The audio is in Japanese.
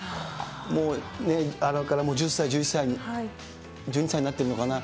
もうね、あれから１０歳、１１歳、１２歳になってるのかな。